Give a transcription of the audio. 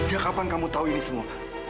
sejak kapan kamu tahu ini semua